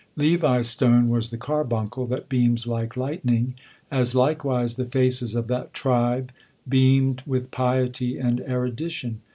Levi's stone was the carbuncle, that beams like lightning, as, likewise, the faces of that tribe beamed with piety and erudition.